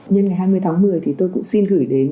nhân ngày hai mươi tháng một mươi thì tôi cũng xin gửi đến